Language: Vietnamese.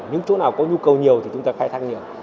những chỗ nào có nhu cầu nhiều thì chúng ta khai thác nhiều